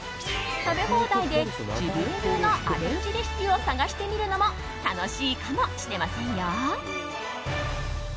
食べ放題で自分流のアレンジレシピを探してみるのも楽しいかもしれませんよ。